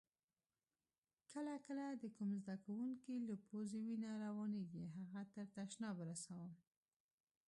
کله کله د کوم زده کونکي له پوزې وینه روانیږي هغه تر تشناب رسوم.